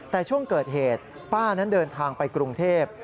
แต่ช่วงเกิดเหตุป้านั้นเดินทางไปกรุงเทพ